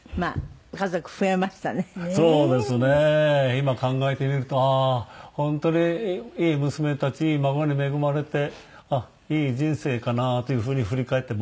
今考えてみるとああ本当にいい娘たちいい孫に恵まれてあっいい人生かなというふうに振り返っています。